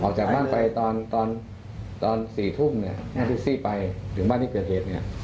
ออกจากบ้านไปตอน๔ทุ่มที่ซี่ไปถึงบ้านที่เกิดเหตุเนี่ย